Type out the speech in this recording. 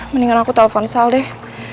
mendingan aku telfon sal deh